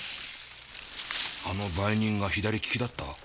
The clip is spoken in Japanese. あの売人が左利きだった？